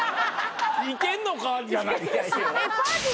「いけんのか」じゃないですよ。